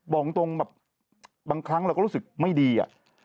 บอกตรงแบบบางครั้งเราก็รู้สึกไม่ดีอะ